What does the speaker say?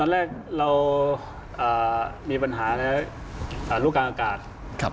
แรกเรามีปัญหาในลูกกลางอากาศ